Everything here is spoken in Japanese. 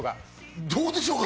どうでしょうか？